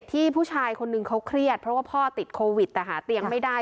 ผู้ชายคนนึงเขาเครียดเพราะว่าพ่อติดโควิดแต่หาเตียงไม่ได้